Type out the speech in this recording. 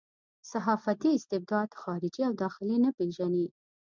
صحافتي استبداد خارجي او داخلي نه پېژني.